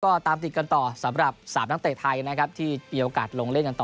ก็ตามติดกันต่อสำหรับ๓นักเตะไทยนะครับที่มีโอกาสลงเล่นกันต่อ